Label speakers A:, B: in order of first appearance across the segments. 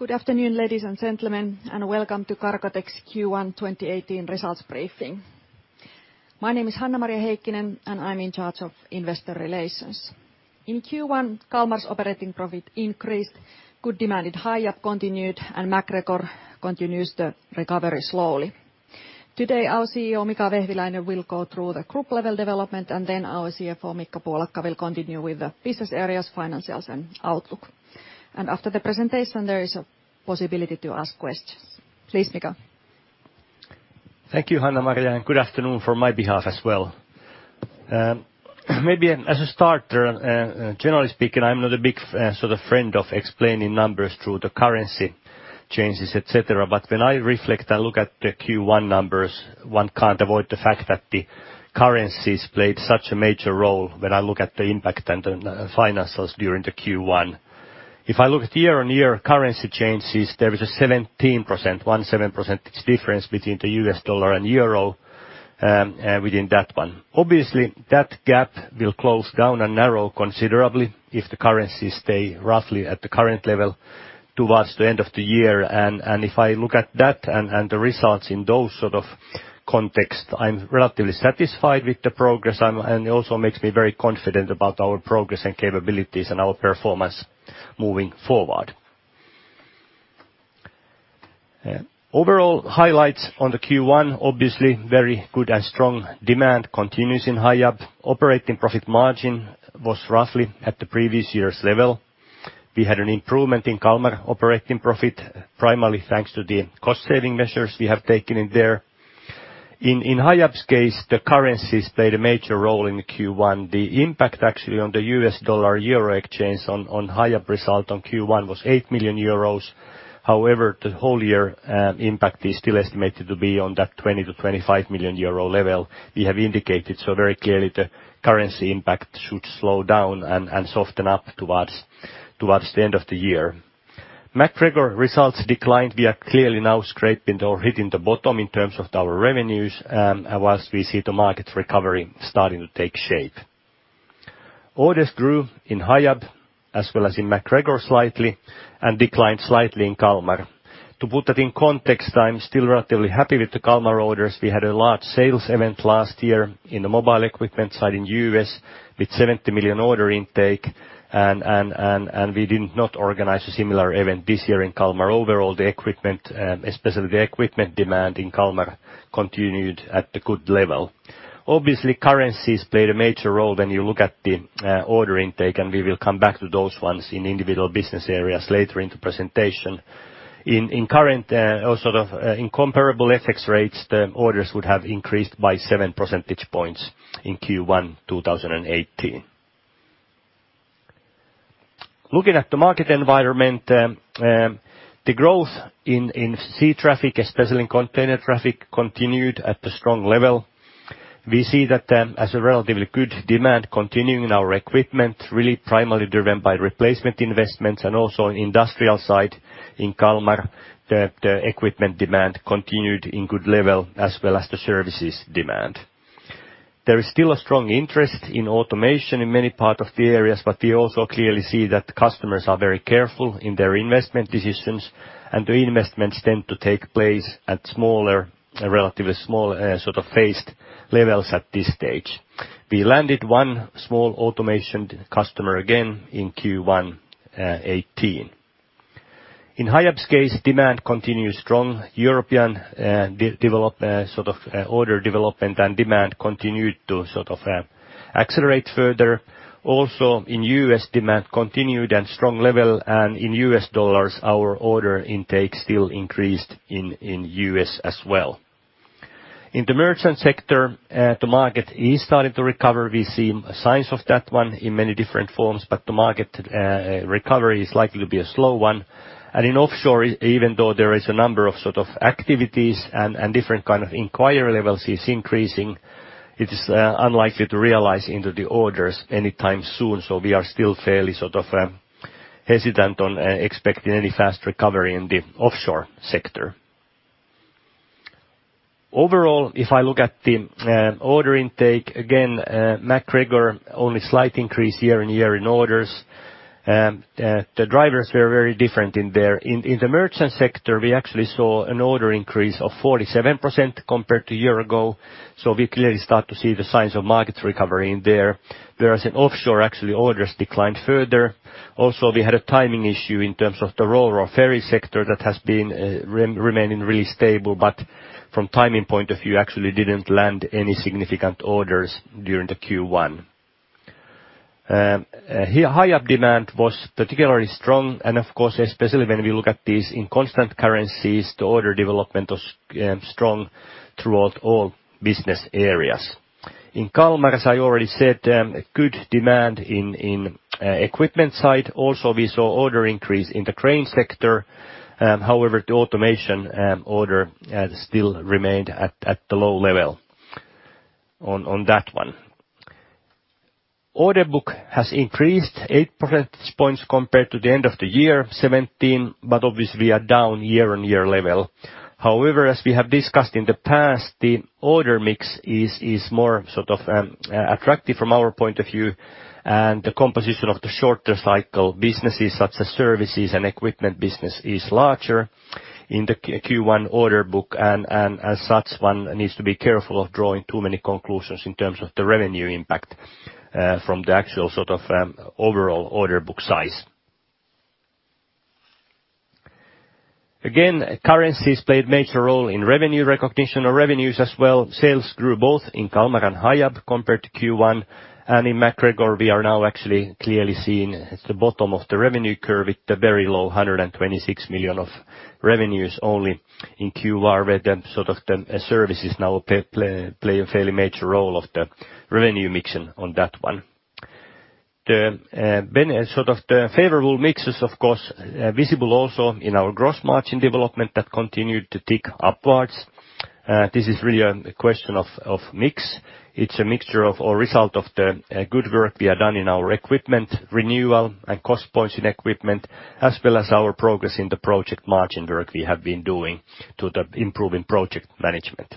A: Good afternoon, ladies and gentlemen. Welcome to Cargotec's Q1 2018 results briefing. My name is Hanna-Maria Heikkinen, and I'm in charge of investor relations. In Q1, Kalmar's operating profit increased, good demand in Hiab continued, and MacGregor continues to recovery slowly. Today, our CEO, Mika Vehviläinen, will go through the group level development, and then our CFO, Mikko Puolakka, will continue with the business areas financials and outlook. After the presentation, there is a possibility to ask questions. Please, Mika.
B: Thank you, Hanna-Maria. Good afternoon from my behalf as well. Maybe as a starter, generally speaking, I'm not a big, sort of friend of explaining numbers through the currency changes, et cetera. When I reflect and look at the Q1 numbers, one can't avoid the fact that the currencies played such a major role when I look at the impact and the finances during the Q1. If I look at year-on-year currency changes, there is a 17% difference between the U.S. dollar and euro within that one. Obviously, that gap will close down and narrow considerably if the currency stay roughly at the current level towards the end of the year. If I look at that and the results in those sort of context, I'm relatively satisfied with the progress and it also makes me very confident about our progress and capabilities and our performance moving forward. Overall highlights on the Q1, obviously, very good and strong demand continues in Hiab. Operating profit margin was roughly at the previous year's level. We had an improvement in Kalmar operating profit, primarily thanks to the cost-saving measures we have taken in there. In Hiab's case, the currencies played a major role in the Q1. The impact actually on the U.S. dollar/euro exchange on Hiab result on Q1 was 8 million euros. However, the full- year impact is still estimated to be on that 20 million-25 million euro level we have indicated. Very clearly the currency impact should slow down and soften up towards the end of the year. MacGregor results declined. We are clearly now scraping or hitting the bottom in terms of our revenues, whilst we see the market recovery starting to take shape. Orders grew in Hiab as well as in MacGregor slightly and declined slightly in Kalmar. To put that in context, I'm still relatively happy with the Kalmar orders. We had a large sales event last year in the mobile equipment side in U.S. with 70 million order intake, and we did not organize a similar event this year in Kalmar. Overall, the equipment, especially the equipment demand in Kalmar continued at a good level. Obviously, currencies played a major role when you look at the order intake, and we will come back to those ones in individual business areas later in the presentation. In current or, sort of, incomparable FX rates, the orders would have increased by 7% points in Q1 2018. Looking at the market environment, the growth in sea traffic, especially in container traffic, continued at a strong level. We see that as a relatively good demand continuing in our equipment, really primarily driven by replacement investments and also industrial side in Kalmar, the equipment demand continued in good level as well as the services demand. There is still a strong interest in automation in many part of the areas. We also clearly see that the customers are very careful in their investment decisions, the investments tend to take place at smaller, relatively small, sort of phased levels at this stage. We landed one small automation customer again in Q1 2018. In Hiab's case, demand continued strong. European order development, demand continued to accelerate further. Also in U.S., demand continued and strong level. In U.S. dollars, our order intake still increased in U.S. as well. In the merchant sector, the market is starting to recover. We see signs of that one in many different forms, the market recovery is likely to be a slow one. In offshore, even though there is a number of, sort of, activities and different kind of inquiry levels is increasing, it is unlikely to realize into the orders anytime soon. We are still fairly, sort of, hesitant on expecting any fast recovery in the offshore sector. Overall, if I look at the order intake, again, MacGregor, only slight increase year-on-year in orders. The drivers were very different in there. In the merchant sector, we actually saw an order increase of 47% compared to year ago. We clearly start to see the signs of market recovery in there. Whereas in offshore, actually, orders declined further. We had a timing issue in terms of the RoRo ferry sector that has been remaining really stable, but from timing point of view, actually didn't land any significant orders during the Q1. Here Hiab demand was particularly strong, and of course, especially when we look at this in constant currencies, the order development was strong throughout all business areas. In Kalmar, as I already said, a good demand in equipment side. Also, we saw order increase in the crane sector. However, the automation order still remained at the low level on that one. Order book has increased 8% compared to the end of the year 2017, but obviously we are down year-on-year level. However, as we have discussed in the past, the order mix is more sort of, attractive from our point of view, and the composition of the shorter cycle businesses, such as services and equipment business, is larger in the Q1 order book. As such, one needs to be careful of drawing too many conclusions in terms of the revenue impact, from the actual sort of, overall order book size. Again, currencies played a major role in revenue recognition or revenues as well. Sales grew both in Kalmar and Hiab compared to Q1. In MacGregor, we are now actually clearly seeing it's the bottom of the revenue curve at the very low 126 million of revenues only in Q1, where the sort of the services now play a fairly major role of the revenue mixing on that one. The sort of the favorable mix is, of course, visible also in our gross margin development that continued to tick upwards. This is really a question of mix. It's a mixture or result of the good work we have done in our equipment renewal and cost points in equipment, as well as our progress in the project margin work we have been doing to the improving project management.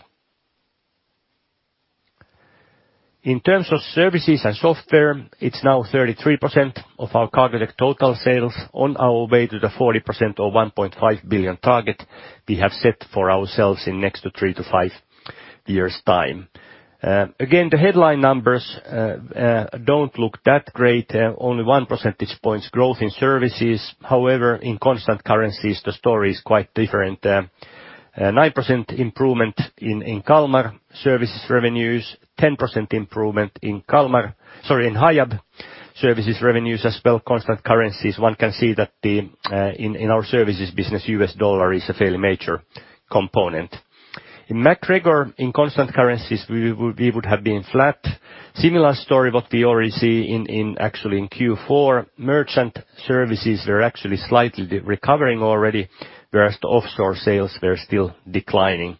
B: In terms of services and software, it's now 33% of our Cargotec total sales on our way to the 40% or 1.5 billion target we have set for ourselves in next to three to five years' time. Again, the headline numbers don't look that great. Only 1% growth in services. However, in constant currencies, the story is quite different. 9% improvement in Kalmar Services revenues. 10% improvement in Kalmar, in Hiab Services revenues as well, constant currencies. One can see that the in our services business, U.S. dollar is a fairly major component. In MacGregor, in constant currencies, we would have been flat. Similar story what we already see in actually in Q4. Merchant Services were actually slightly recovering already, whereas the offshore sales, they're still declining.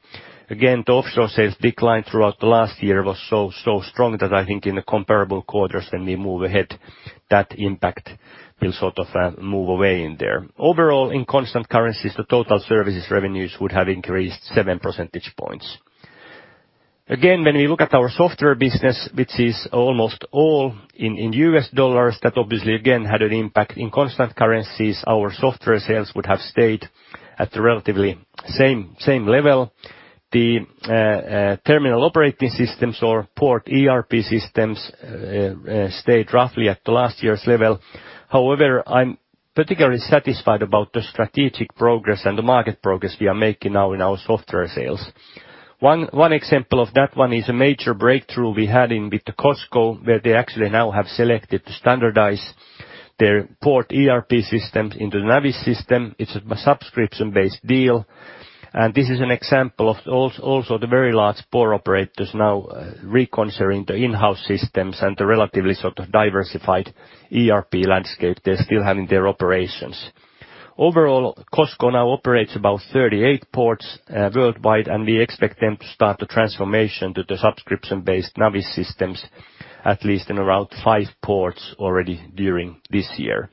B: The offshore sales decline throughout the last year was so strong that I think in the comparable quarters when we move ahead, that impact will sort of move away in there. Overall, in constant currencies, the total services revenues would have increased 7%. When we look at our software business, which is almost all in U.S. dollars, that obviously again, had an impact. In constant currencies, our software sales would have stayed at the relatively same level. The terminal operating systems or port ERP systems stayed roughly at the last year's level. However, I'm particularly satisfied about the strategic progress and the market progress we are making now in our software sales. One example of that one is a major breakthrough we had in with the COSCO Shipping, where they actually now have selected to standardize their port ERP systems into the Navis system. It's a subscription-based deal. This is an example of also the very large port operators now reconsidering the in-house systems and the relatively sort of diversified ERP landscape they still have in their operations. Overall, COSCO Shipping now operates about 38 ports worldwide, and we expect them to start the transformation to the subscription-based Navis systems at least in around five ports already during this year.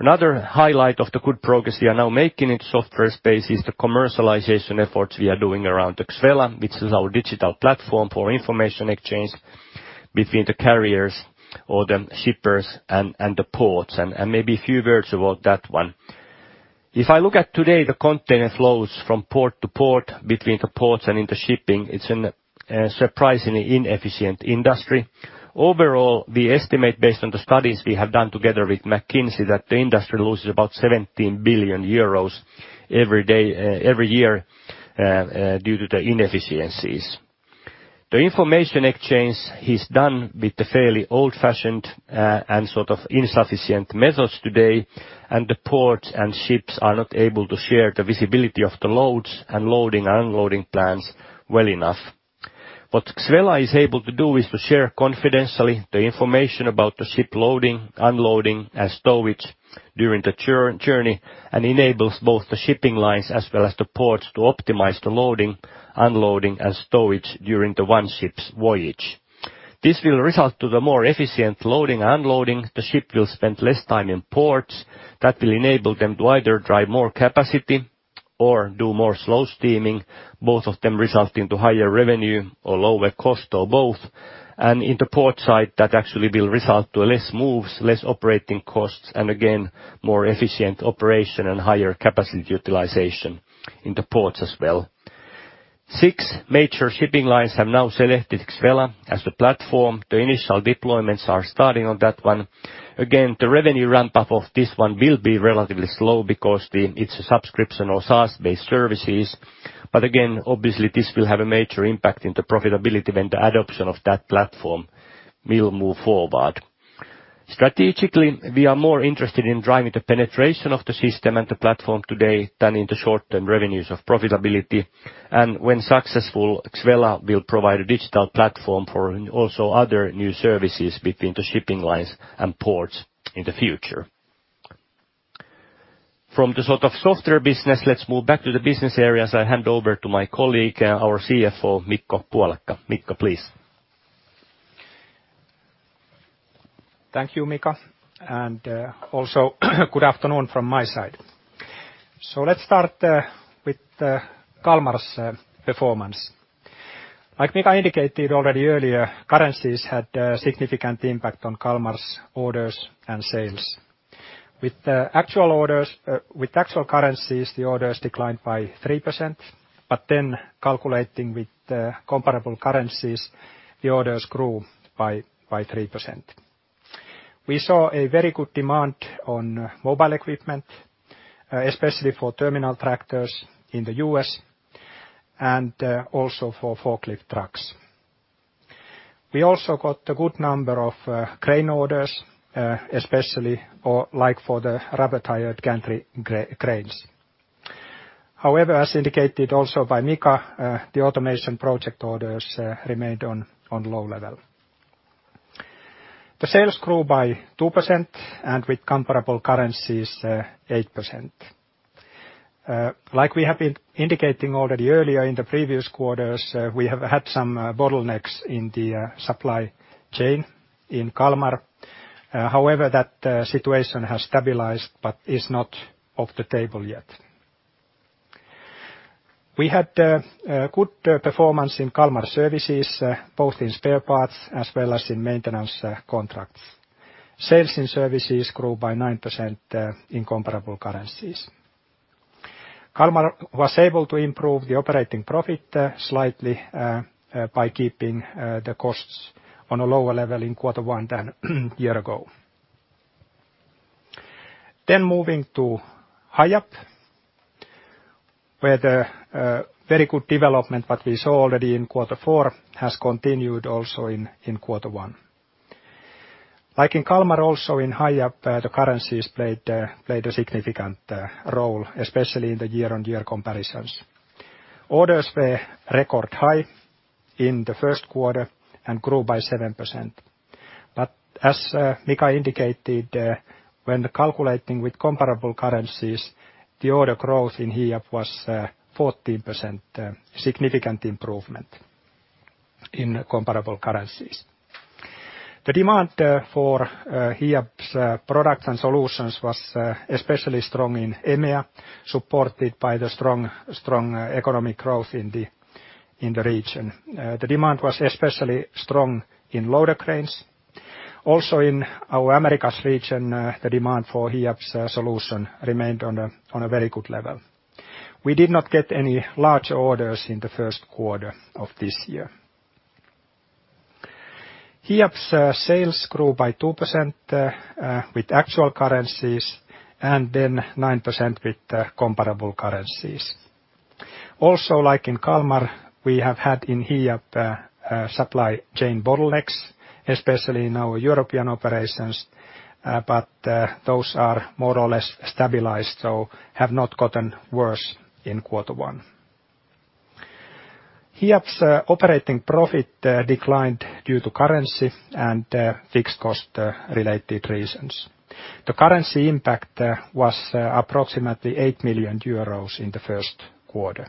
B: Another highlight of the good progress we are now making in software space is the commercialization efforts we are doing around the Xvela platform platform, which is our digital platform for information exchange between the carriers or the shippers and the ports, and maybe a few words about that one. If I look at today, the container flows from port to port between the ports and in the shipping. It's an surprisingly inefficient industry. Overall, we estimate based on the studies we have done together with McKinsey & Company, that the industry loses about 17 billion euros every year due to the inefficiencies. The information exchange is done with the fairly old-fashioned and sort of insufficient methods today. The ports and ships are not able to share the visibility of the loads and loading and unloading plans well enough. What Xvela platform is able to do is to share confidentially the information about the ship loading, unloading, and stowage during the journey and enables both the shipping lines as well as the ports to optimize the loading, unloading, and stowage during the one ship's voyage. This will result to the more efficient loading, unloading. The ship will spend less time in ports. That will enable them to either drive more capacity or do more slow steaming, both of them resulting to higher revenue or lower cost or both. In the port side, that actually will result to less moves, less operating costs, and again, more efficient operation and higher capacity utilization in the ports as well. Six major shipping lines have now selected Xvela platform as the platform. The initial deployments are starting on that one. Again, the revenue ramp-up of this one will be relatively slow because it's a subscription or SaaS-based services. Again, obviously this will have a major impact in the profitability when the adoption of that platform will move forward. Strategically, we are more interested in driving the penetration of the system and the platform today than in the short-term revenues of profitability. When successful, Xvela platform will provide a digital platform for also other new services between the shipping lines and ports in the future. From the sort of software business, let's move back to the business areas. I hand over to my colleague, our CFO, Mikko Puolakka. Mikko, please.
C: Thank you, Mika, and also good afternoon from my side. Let's start with Kalmar's performance. Like Mika indicated already earlier, currencies had a significant impact on Kalmar's orders and sales. With actual currencies, the orders declined by 3%. Calculating with the comparable currencies, the orders grew by 3%. We saw a very good demand on mobile equipment, especially for terminal tractors in the U.S., and also for forklift trucks. We also got a good number of crane orders, especially or like for the rubber-tired gantry cranes. However, as indicated also by Mika, the automation project orders remained on low level. The sales grew by 2%, and with comparable currencies, 8%. Like we have been indicating already earlier in the previous quarters, we have had some bottlenecks in the supply chain in Kalmar. That situation has stabilized but is not off the table yet. We had a good performance in Kalmar services, both in spare parts as well as in maintenance contracts. Sales in services grew by 9% in comparable currencies. Kalmar was able to improve the operating profit slightly by keeping the costs on a lower level in Q1 than year ago. Moving to Hiab, where the very good development that we saw already in quarter four has continued also in Q1. Like in Kalmar, also in Hiab, the currencies played a significant role, especially in the year-on-year comparisons. Orders were record high in the Q1 and grew by 7%. As Mika indicated, when calculating with comparable currencies, the order growth in Hiab was 14%, significant improvement in comparable currencies. The demand for Hiab's products and solutions was especially strong in EMEA, supported by the strong economic growth in the region. The demand was especially strong in loader cranes. In our Americas region, the demand for Hiab's solution remained on a very good level. We did not get any large orders in the Q1 of this year. Hiab's sales grew by 2% with actual currencies, and then 9% with comparable currencies. Like in Kalmar, we have had in Hiab, supply chain bottlenecks, especially in our European operations, but those are more or less stabilized, so have not gotten worse in Q1. Hiab's operating profit declined due to currency and fixed cost related reasons. The currency impact was approximately 8 million euros in the Q1.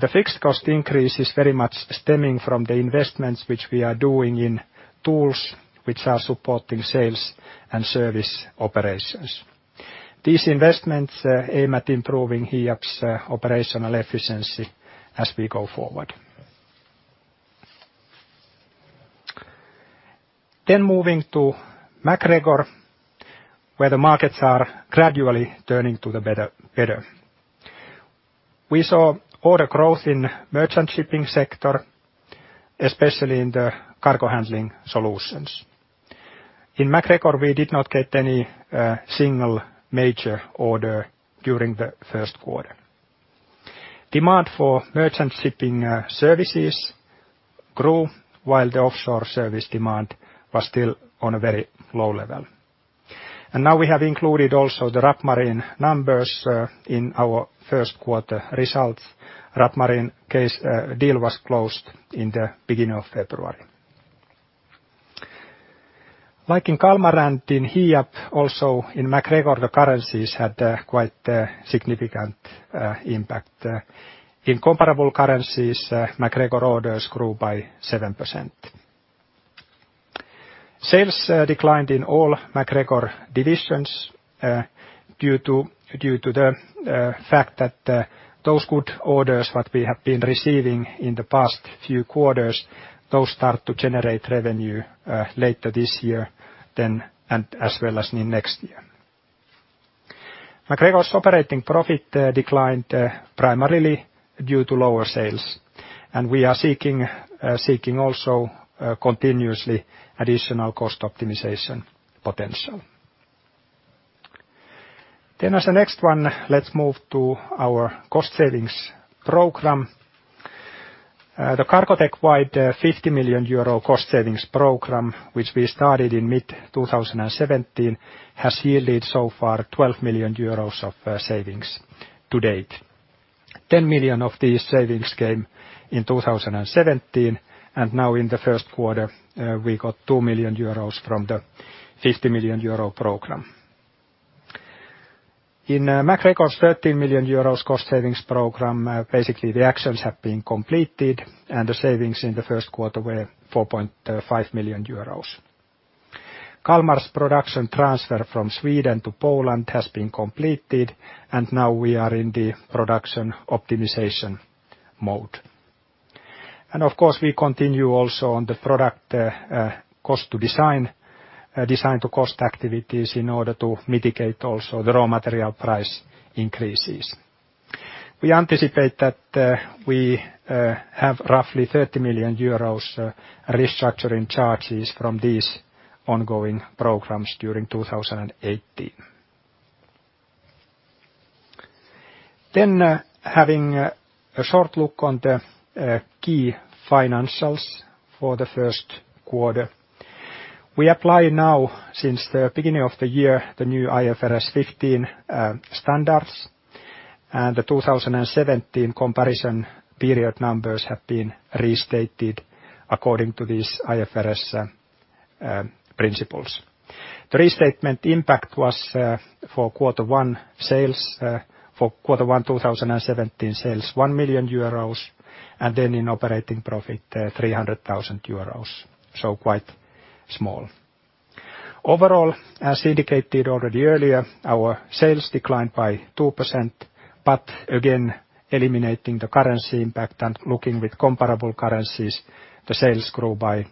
C: The fixed cost increase is very much stemming from the investments which we are doing in tools which are supporting sales and service operations. These investments aim at improving Hiab's operational efficiency as we go forward. Moving to MacGregor, where the markets are gradually turning to the better. We saw order growth in merchant shipping sector, especially in the cargo handling solutions. In MacGregor, we did not get any single major order during the Q1. Demand for merchant shipping services grew while the offshore service demand was still on a very low level. Now we have included also the Rapp Marine numbers in our Q1 results. Rapp Marine case, deal was closed in the beginning of February. Like in Kalmar and in Hiab, also in MacGregor, the currencies had a quite significant impact. In comparable currencies, MacGregor orders grew by 7%. Sales declined in all MacGregor divisions due to the fact that those good orders that we have been receiving in the past few quarters, those start to generate revenue later this year then, and as well as in next year. MacGregor's operating profit declined primarily due to lower sales, we are seeking also continuously additional cost optimization potential. As the next one, let's move to our cost savings program. The Cargotec-wide 50 million euro cost savings program, which we started in mid-2017, has yielded so far 12 million euros of savings to date. 10 million of these savings came in 2017, and now in the Q1, we got 2 million euros from the 50 million euro program. MacGregor's 13 million euros cost savings program, basically the actions have been completed, and the savings in the Q1 were 4.5 million euros. Kalmar's production transfer from Sweden to Poland has been completed and now we are in the production optimization mode. Of course, we continue also on the product cost to design to cost activities in order to mitigate also the raw material price increases. We anticipate that we have roughly 30 million euros restructuring charges from these ongoing programs during 2018. Having a short look on the key financials for the Q1. We apply now since the beginning of the year, the new IFRS 15 standards, and the 2017 comparison period numbers have been restated according to these IFRS principles. The restatement impact was for Q1 sales 2017 sales 1 million euros, and in operating profit 300,000 euros, so quite small. Overall, as indicated already earlier, our sales declined by 2%, but again, eliminating the currency impact and looking with comparable currencies, the sales grew by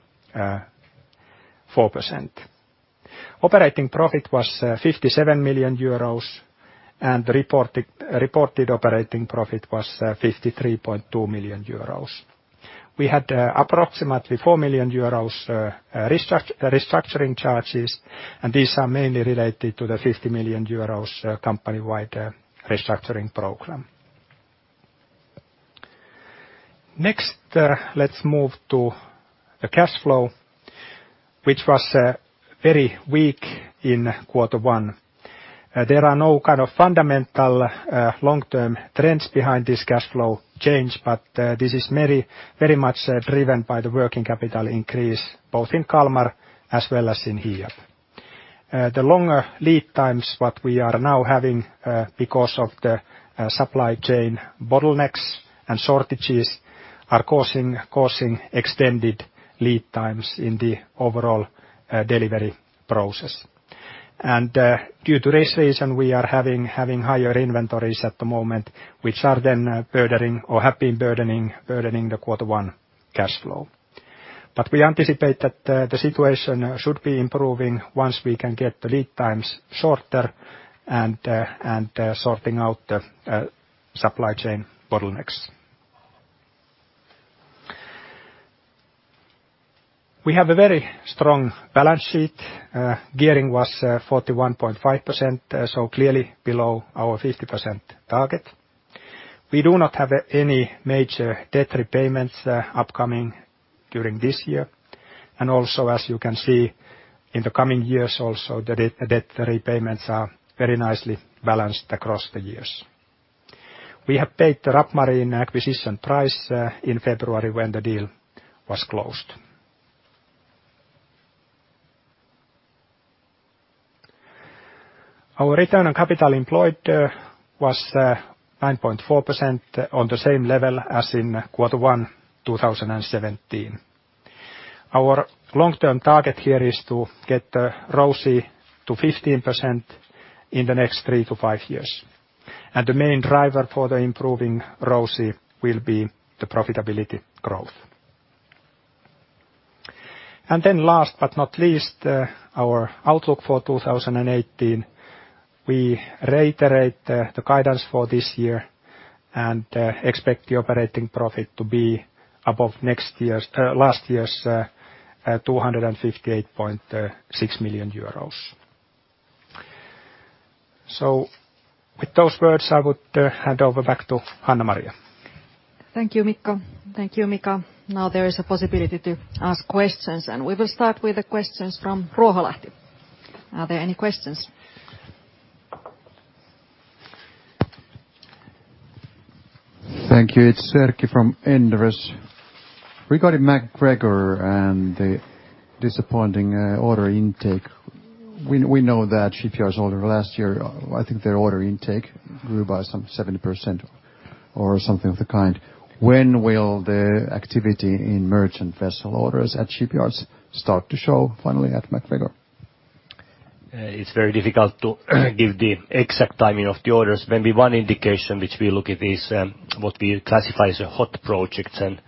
C: 4%. Operating profit was 57 million euros and reported operating profit was 53.2 million euros. We had approximately 4 million euros restructuring charges. These are mainly related to the 50 million euros company-wide restructuring program. Next, let's move to the cash flow, which was very weak in Q1. There are no kind of fundamental long-term trends behind this cash flow change. This is very, very much driven by the working capital increase both in Kalmar as well as in Here. The longer lead times, what we are now having, because of the supply chain bottlenecks and shortages are causing extended lead times in the overall delivery process. Due to this reason, we are having higher inventories at the moment, which are then burdening or have been burdening the Q1 cash flow. We anticipate that the situation should be improving once we can get the lead times shorter and sorting out the supply chain bottlenecks. We have a very strong balance sheet. Gearing was 41.5%, so clearly below our 50% target. We do not have any major debt repayments upcoming during this year. Also, as you can see in the coming years also the debt repayments are very nicely balanced across the years. We have paid the Rapp Marine acquisition price in February when the deal was closed. Our return on capital employed was 9.4% on the same level as in quarter 1, 2017. Our long-term target here is to get the ROCE to 15% in the next three to five years. The main driver for the improving ROCE will be the profitability growth. Last but not least, our outlook for 2018. We reiterate the guidance for this year and expect the operating profit to be above last year's 258.6 million euros. With those words, I would hand over back to Hanna-Maria.
A: Thank you, Mikko. Thank you, Mika. Now there is a possibility to ask questions. We will start with the questions from Ruoholahti. Are there any questions?
D: Thank you. It's Antti Suttelin from Inderes. Regarding MacGregor and the disappointing order intake, we know that shipyards over last year, I think their order intake grew by some 70% or something of the kind. When will the activity in merchant vessel orders at shipyards start to show finally at MacGregor?
C: It's very difficult to give the exact timing of the orders. Maybe one indication which we look at is what we classify as a hot projects and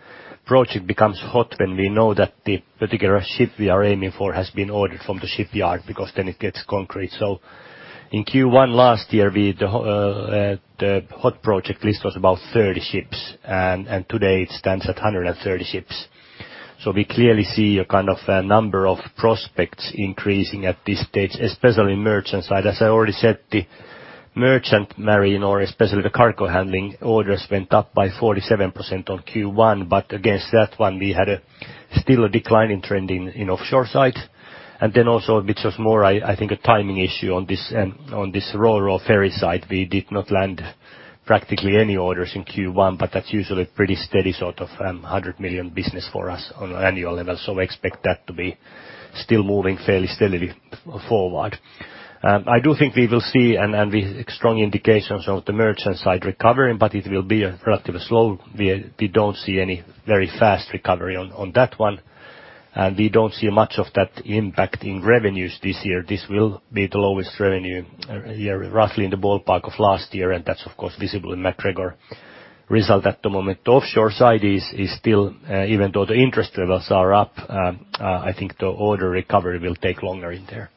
C: project becomes hot when we know that the particular ship we are aiming for has been ordered from the shipyard because then it gets concrete. In Q1 last year, the hot project list was about 30 ships and today it stands at 130 ships. We clearly see a kind of a number of prospects increasing at this stage, especially merchant side. As I already said, the merchant marine or especially the cargo handling orders went up by 47% on Q1. Against that one, we had still a declining trend in offshore side. Also a bit of more, I think a timing issue on this ro-ro ferry side, we did not land practically any orders in Q1. That's usually pretty steady sort of 100 million business for us on an annual level. Expect that to be still moving fairly steadily forward.I do think we will see strong indications of the merchant side recovering, but it will be a relatively slow. We don't see any very fast recovery on that one. We don't see much of that impact in revenues this year. This will be the lowest revenue year, roughly in the ballpark of last year. That's of course visible in MacGregor result at the moment. The offshore side is still even though the interest levels are up, I think the order recovery will take longer in there.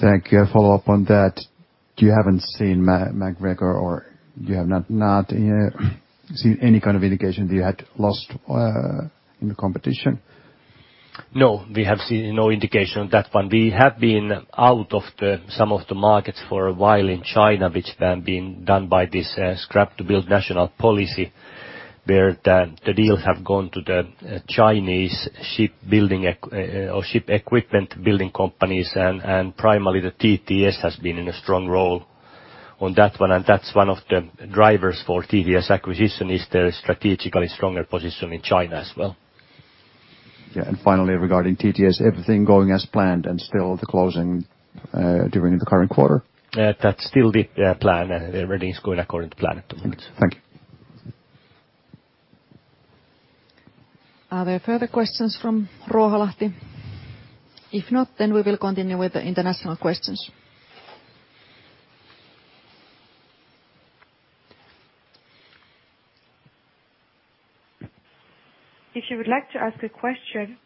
E: Thank you. A follow-up on that. You haven't seen MacGregor, or you have not seen any kind of indication that you had lost in the competition?
B: No, we have seen no indication on that one. We have been out of the some of the markets for a while in China, which then been done by this scrap-to-build national policy, where the deals have gone to the Chinese shipbuilding or ship equipment building companies and primarily the TTS Group ASA has been in a strong role on that one. That's one of the drivers for TTS Group ASA acquisition is the strategically stronger position in China as well.
E: Yeah. Finally, regarding TTS Group ASA, everything going as planned and still the closing during the current quarter?
B: Yeah. That's still the plan, and everything is going according to plan at the moment.
E: Thank you.
F: Are there further questions from Ruoholahti? If not, we will continue with the international questions. If you would like to ask a question,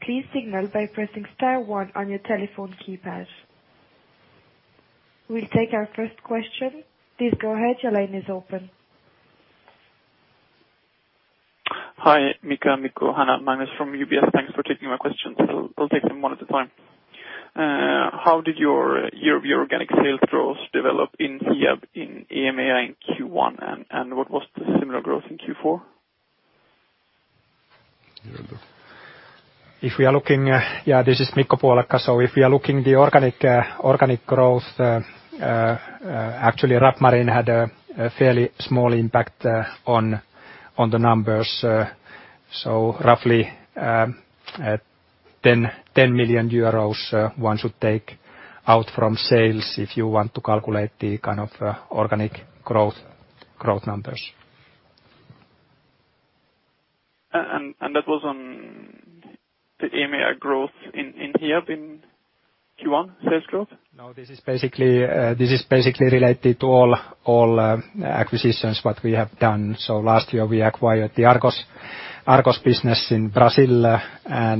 F: please signal by pressing star one on your telephone keypad. We'll take our first question. Please go ahead. Your line is open.
G: Hi, Mika, Mikko, Magnus Raabe from UBS. Thanks for taking my questions. I'll take them one at a time. How did your organic sales growth develop in Hiab in EMEA in Q1, and what was the similar growth in Q4?
B: Yeah, this is Mikko Puolakka. If we are looking the organic growth, actually, TTS Group had a fairly small impact on the numbers. Roughly, 10 million euros one should take out from sales if you want to calculate the kind of organic growth numbers.
G: That was on the EMEA growth in Hiab in Q1 sales growth?
B: This is basically related to all acquisitions that we have done. Last year, we acquired the Argos business in Brazil. Now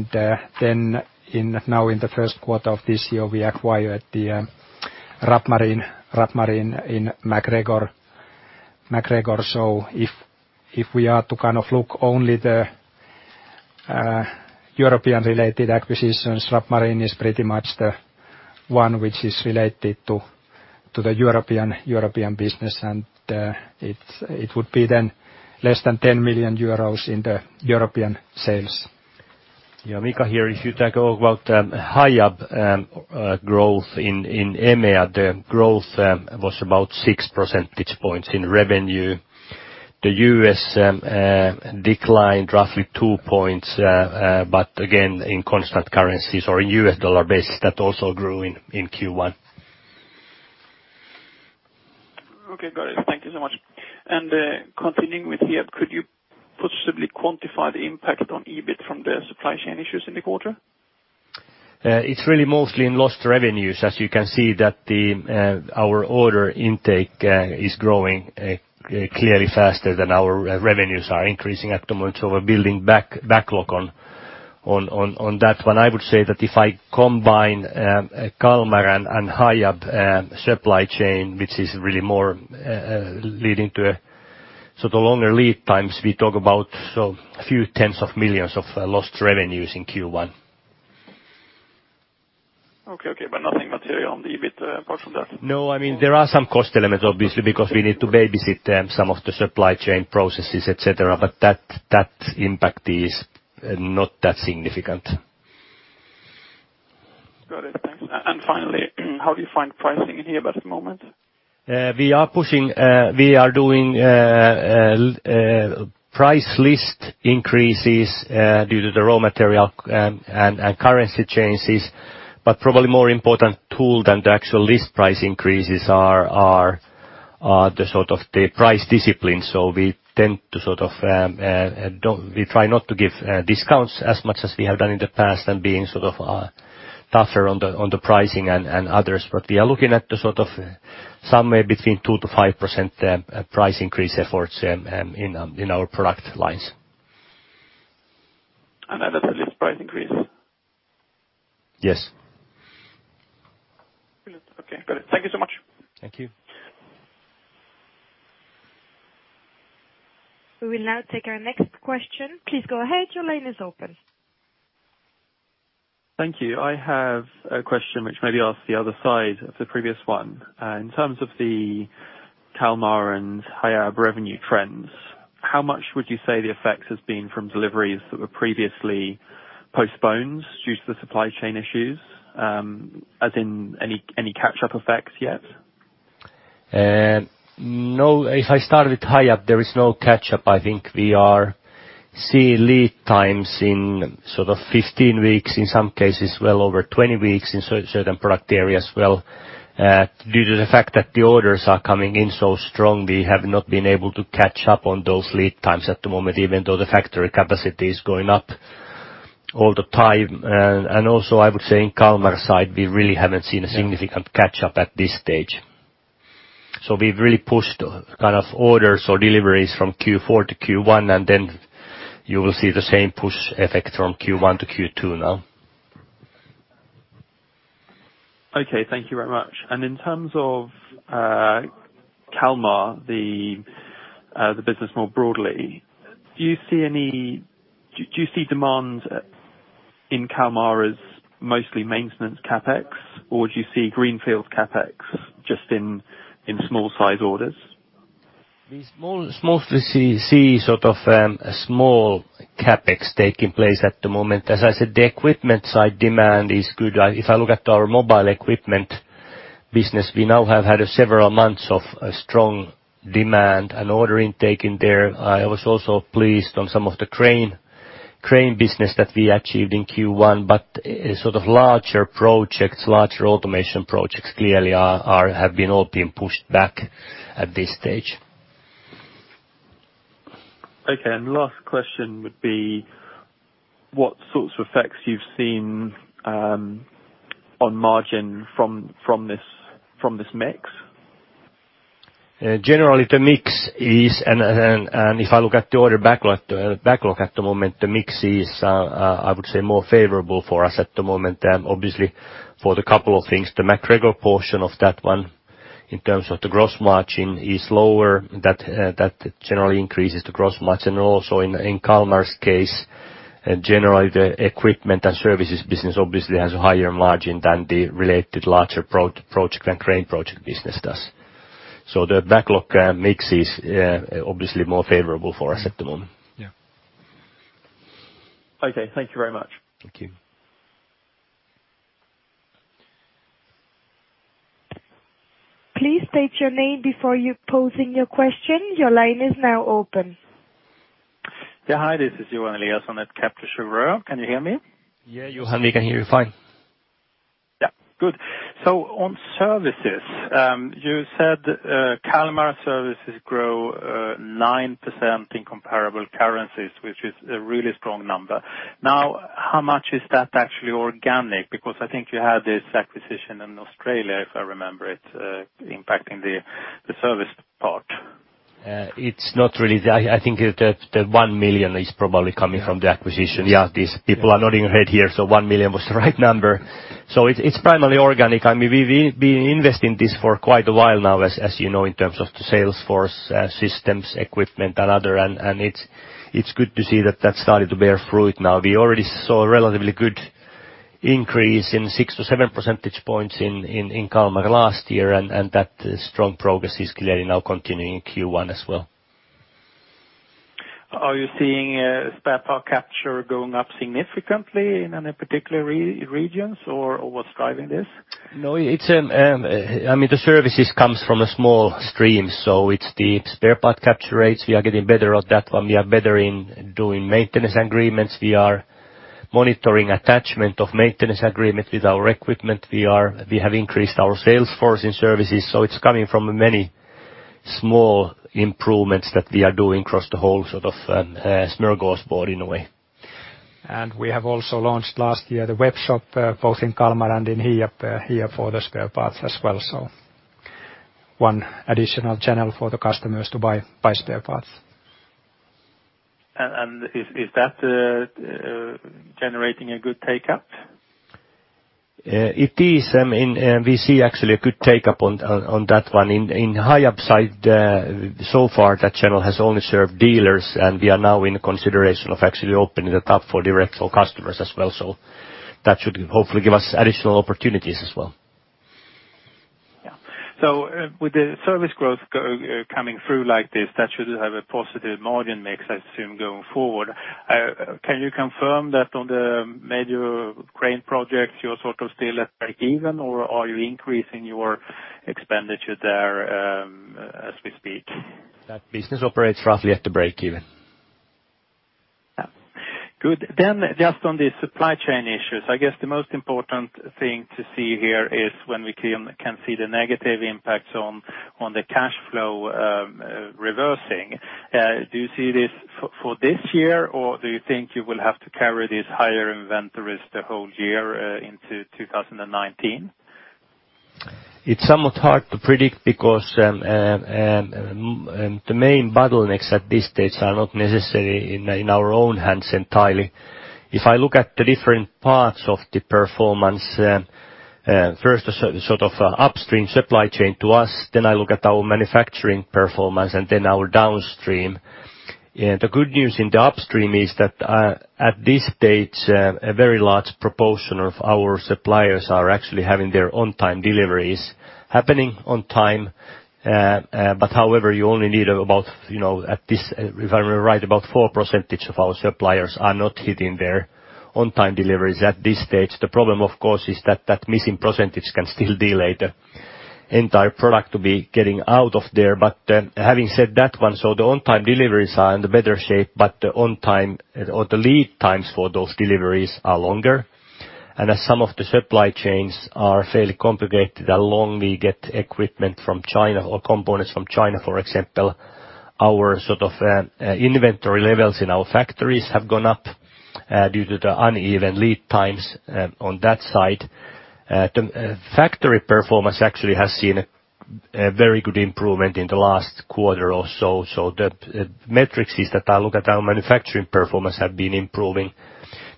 B: in the Q1 of this year, we acquired the Rapp Marine in MacGregor. If we are to kind of look only the European-related acquisitions, Rapp Marine is pretty much the one which is related to the European business. It would be then less than 10 million euros in the European sales.
E: Yeah, Mika here. If you talk about Hiab growth in EMEA, the growth was about 6 percentage points in revenue. The US declined roughly 2 points, but again, in constant currencies or in U.S. dollar basis, that also grew in Q1.
G: Okay, got it. Thank you so much. Continuing with Hiab, could you possibly quantify the impact on EBIT from the supply chain issues in the quarter?
B: It's really mostly in lost revenues. As you can see that the our order intake is growing clearly faster than our revenues are increasing at the moment. We're building backlog on that one. I would say that if I combine Kalmar and Hiab supply chain, which is really more leading to a sort of longer lead times, we talk about so a few tens of millions of lost revenues in Q1.
G: Okay. Okay. Nothing material on the EBIT portion there?
B: No. I mean, there are some cost elements, obviously, because we need to babysit them, some of the supply chain processes, et cetera, but that impact is not that significant.
G: Got it. Thanks. Finally, how do you find pricing in Hiab at the moment?
B: We are pushing, we are doing price list increases due to the raw material and currency changes. Probably more important tool than the actual list price increases are the sort of the price discipline. We tend to sort of, we try not to give discounts as much as we have done in the past and being sort of tougher on the pricing and others. We are looking at the sort of somewhere between 2%-5% price increase efforts in our product lines.
G: That's a list price increase?
B: Yes.
G: Brilliant. Okay. Got it. Thank you so much.
B: Thank you.
F: We will now take our next question. Please go ahead. Your line is open.
E: Thank you. I have a question which may be asked the other side of the previous one. In terms of the Kalmar and Hiab revenue trends, how much would you say the effects has been from deliveries that were previously postponed due to the supply chain issues? As in any catch-up effects yet?
B: No, if I start with Hiab, there is no catch up. I think we are see lead times in sort of 15 weeks, in some cases well over 20 weeks in certain product areas as well. Due to the fact that the orders are coming in so strong, we have not been able to catch up on those lead times at the moment, even though the factory capacity is going up all the time. Also I would say in Kalmar side, we really haven't seen.
E: Yeah.
B: a significant catch up at this stage. We've really pushed kind of orders or deliveries from Q4 to Q1. You will see the same push effect from Q1 to Q2 now.
E: Okay, thank you very much. In terms of Kalmar, the business more broadly, do you see demand in Kalmar as mostly maintenance CapEx, or do you see greenfield CapEx just in small size orders?
B: We small, mostly see sort of, a small CapEx taking place at the moment. As I said, the equipment side demand is good. If I look at our mobile equipment business, we now have had several months of a strong demand and order intake in there. I was also pleased on some of the crane business that we achieved in Q1, but sort of larger projects, larger automation projects clearly have been all being pushed back at this stage.
E: Okay. Last question would be what sorts of effects you've seen on margin from this mix?
B: Generally the mix is. If I look at the order backlog at the moment, the mix is, I would say more favorable for us at the moment. Obviously for the couple of things, the MacGregor portion of that one in terms of the gross margin is lower. That generally increases the gross margin. Also in Kalmar's case, generally the equipment and services business obviously has a higher margin than the related larger pro-project and crane project business does. The backlog mix is obviously more favorable for us at the moment.
E: Yeah. Okay, thank you very much.
B: Thank you.
F: Please state your name before you're posing your question. Your line is now open.
H: Yeah. Hi, this is Johan Eliason at Kepler Cheuvreux. Can you hear me?
B: Yeah, Johan, we can hear you fine.
H: Yeah, good. On services, you said Kalmar services grow 9% in comparable currencies, which is a really strong number. How much is that actually organic? I think you had this acquisition in Australia, if I remember it, impacting the service part.
B: It's not really I think the 1 million is probably coming from the acquisition. Yeah. These people are nodding their head here, so 1 million was the right number. It's primarily organic. I mean, we've been investing this for quite a while now, as you know, in terms of the sales force, systems, equipment and other. It's good to see that that's starting to bear fruit now. We already saw a relatively good increase in 6%-7% in Kalmar last year. That strong progress is clearly now continuing in Q1 as well.
H: Are you seeing spare part capture going up significantly in any particular regions or what's driving this?
B: No, it's, I mean, the services comes from a small stream, so it's the spare part capture rates. We are getting better at that one. We are better in doing maintenance agreements. We are monitoring attachment of maintenance agreement with our equipment. We have increased our sales force in services, so it's coming from many small improvements that we are doing across the whole sort of, smorgasbord in a way.
E: We have also launched last year the Webshop, both in Kalmar and in Hiab for the spare parts as well. One additional channel for the customers to buy spare parts.
H: Is that generating a good take up?
B: It is. I mean, we see actually a good take up on that one. In Hiab side, so far that channel has only served dealers, and we are now in consideration of actually opening it up for direct for customers as well. That should hopefully give us additional opportunities as well.
E: Yeah.
H: With the service growth coming through like this, that should have a positive margin mix, I assume, going forward. Can you confirm that on the major crane projects, you're sort of still at breakeven, or are you increasing your expenditure there, as we speak?
B: That business operates roughly at the break even.
H: Yeah. Good. Just on the supply chain issues, I guess the most important thing to see here is when we can see the negative impacts on the cash flow reversing. Do you see this for this year, or do you think you will have to carry these higher inventories the whole year into 2019?
B: It's somewhat hard to predict because the main bottlenecks at this stage are not necessarily in our own hands entirely. If I look at the different parts of the performance, first the sort of upstream supply chain to us, then I look at our manufacturing performance and then our downstream. The good news in the upstream is that at this stage, a very large proportion of our suppliers are actually having their on-time deliveries happening on time. However, you only need about, you know, at this, if I remember right, about 4% of our suppliers are not hitting their on-time deliveries at this stage. The problem, of course, is that that missing percentage can still delay the entire product to be getting out of there. Having said that one, so the on time deliveries are in the better shape, but the on time or the lead times for those deliveries are longer. As some of the supply chains are fairly complicated, how long we get equipment from China or components from China, for example, our sort of inventory levels in our factories have gone up due to the uneven lead times on that side. The factory performance actually has seen a very good improvement in the last quarter or so the metrics is that I look at our manufacturing performance have been improving.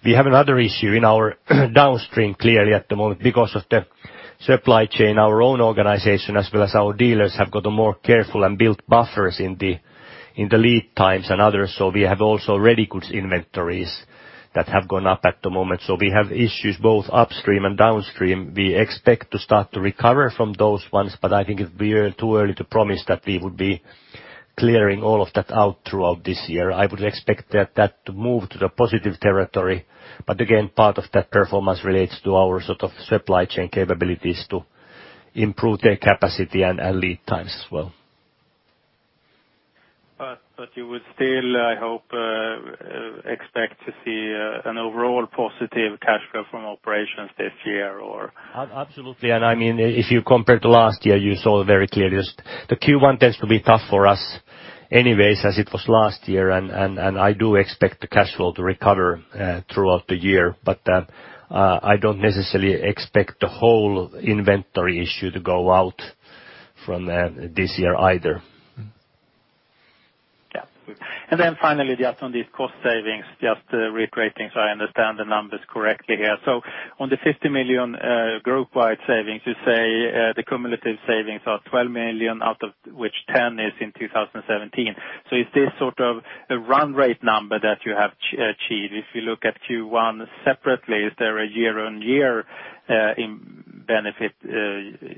B: We have another issue in our downstream, clearly at the moment, because of the supply chain, our own organization as well as our dealers have got a more careful and built buffers in the, in the lead times and others. We have also ready goods inventories that have gone up at the moment. We have issues both upstream and downstream. We expect to start to recover from those ones, but I think it'd be too early to promise that we would be clearing all of that out throughout this year. I would expect that to move to the positive territory. Again, part of that performance relates to our sort of supply chain capabilities to improve their capacity and lead times as well.
H: You would still, I hope, expect to see an overall positive cash flow from operations this year or?
B: Absolutely. I mean, if you compare to last year, you saw very clearly as the Q1 tends to be tough for us anyways as it was last year. I do expect the cash flow to recover throughout the year. I don't necessarily expect the whole inventory issue to go out from this year either.
H: Yeah. Finally, just on these cost savings, just recreating so I understand the numbers correctly here. On the 50 million group-wide savings, you say, the cumulative savings are 12 million out of which 10 million is in 2017. Is this sort of a run rate number that you have achieved? If you look at Q1 separately, is there a year-on-year in benefit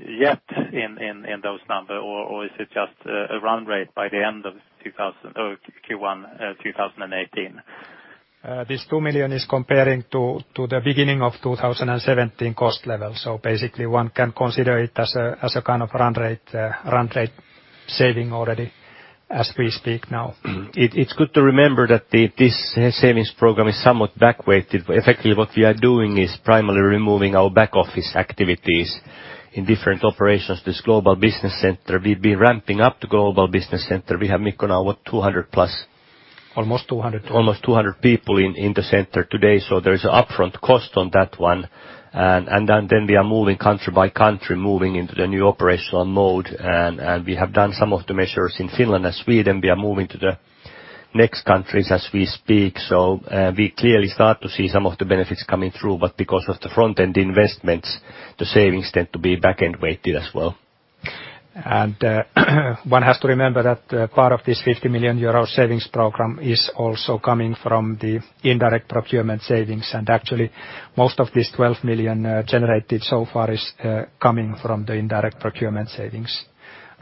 H: yet in those number or is it just a run rate by the end of 2000 or Q1 2018?
C: This 2 million is comparing to the beginning of 2017 cost level. Basically one can consider it as a kind of run rate, run rate saving already as we speak now.
B: It's good to remember that this savings program is somewhat back weighted. Effectively, what we are doing is primarily removing our back office activities in different operations. This global business center, we've been ramping up the global business center. We have, Mikko, now what, 200 plus?
C: Almost 200.
B: Almost 200 people in the center today. There is upfront cost on that one. Then we are moving country by country, moving into the new operational mode. We have done some of the measures in Finland and Sweden. We are moving to the next countries as we speak. We clearly start to see some of the benefits coming through. Because of the front end investments, the savings tend to be back-end weighted as well.
C: One has to remember that part of this 50 million euro savings program is also coming from the indirect procurement savings. Actually most of this 12 million generated so far is coming from the indirect procurement savings,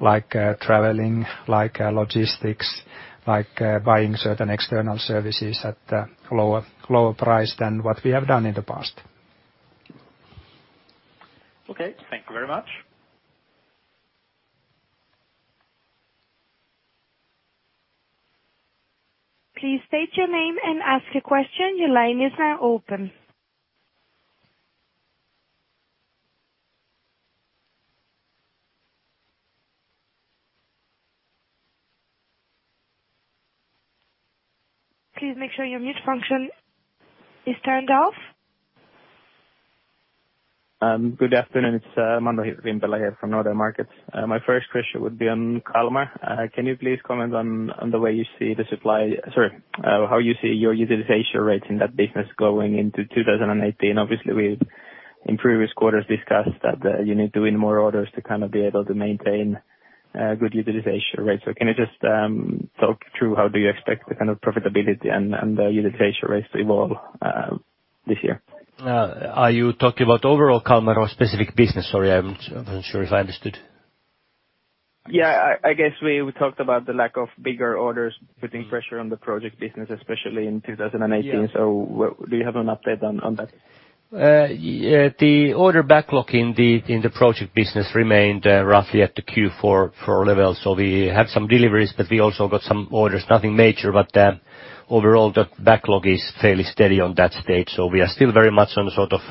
C: like traveling, like logistics, like buying certain external services at a lower price than what we have done in the past.
H: Okay. Thank you very much.
F: Please state your name and ask a question. Your line is now open. Please make sure your mute function is turned off.
I: Good afternoon. It's Manu Forsskåhl from Nordea Markets. My first question would be on Kalmar. Can you please comment on the way you see Sorry, how you see your utilization rates in that business going into 2018? Obviously, we've in previous quarters discussed that you need to win more orders to kind of be able to maintain good utilization rates. Can you just talk through how do you expect the kind of profitability and the utilization rates to evolve this year?
B: Are you talking about overall Kalmar or specific business? Sorry, I'm not sure if I understood.
I: Yeah, I guess we talked about the lack of bigger orders putting pressure on the project business, especially in 2018.
B: Yeah.
I: Do you have an update on that?
B: Yeah. The order backlog in the project business remained roughly at the Q4 level. We had some deliveries, but we also got some orders, nothing major. Overall the backlog is fairly steady on that stage. We are still very much on sort of